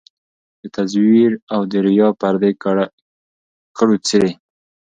د تزویر او د ریا پردې کړو څیري